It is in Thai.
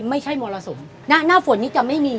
ไม่ใช่มรสุมหน้าฝนนี้จะไม่มี